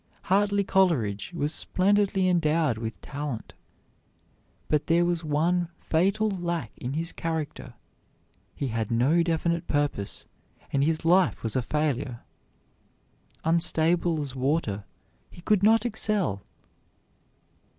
Hartley Coleridge was splendidly endowed with talent, but there was one fatal lack in his character he had no definite purpose, and his life was a failure. Unstable as water, he could not excel.